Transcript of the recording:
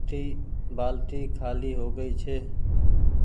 بآلٽي خآلي هوگئي ڇي